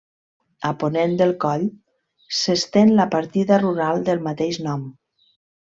A ponent del coll s'estén la partida rural del mateix nom.